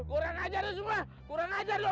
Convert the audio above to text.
kurang ajar lu semua kurang ajar lu